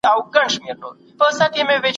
د ژوند لاره یوازي لایقو ته نه سي سپارل کېدلای.